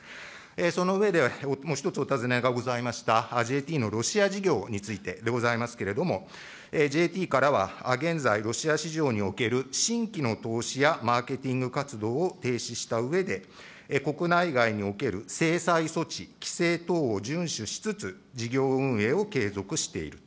その上でもう１つお尋ねがございましたＪＴのロシア事業についてでございますけれども、ＪＴからは、現在ロシア市場における新規の投資やマーケティング活動を停止したうえで、国内外における制裁措置、規制等を順守しつつ、事業運営を継続している。